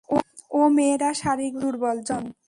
ওই মেয়েরা শারীরিকভাবে দুর্বল, জন।